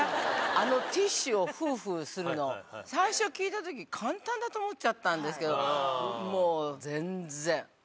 あのティッシュをフフするの最初聞いたとき簡単だと思っちゃったんですけどもう全然。